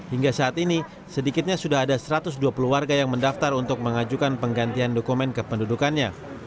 hingga saat ini sedikitnya sudah ada satu ratus dua puluh warga yang mendaftar untuk mengajukan penggantian dokumen kependudukannya